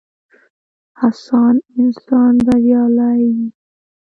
هڅاند انسان بريالی وي.